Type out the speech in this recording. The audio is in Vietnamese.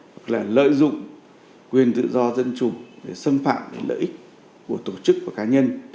hoặc là lợi dụng quyền tự do dân chủ để xâm phạm đến lợi ích của tổ chức và cá nhân